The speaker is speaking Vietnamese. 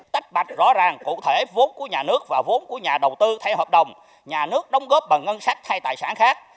tách bạch rõ ràng cụ thể vốn của nhà nước và vốn của nhà đầu tư theo hợp đồng nhà nước đóng góp bằng ngân sách hay tài sản khác